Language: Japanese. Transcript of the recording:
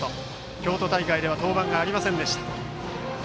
京都大会では登板がありませんでした。